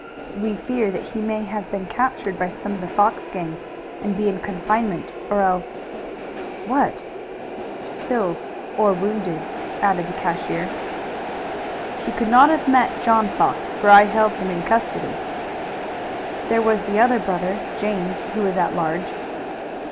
"We fear that he may have been captured by some of the Fox gang, and be in confinement, or else " "What?" "Killed or wounded," added the cashier. "He could not have met John Fox, for I held him in custody." "There was the other brother, James, who was at large."